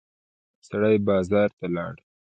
سړی بازار ته لاړ.